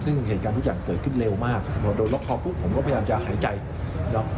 ซึ่งเหตุการณ์ทุกอย่างเกิดขึ้นเร็วมากพอโดนล็อกคอปุ๊บผมก็พยายามจะหายใจครับ